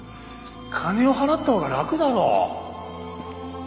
金を払ったほうが楽だろ。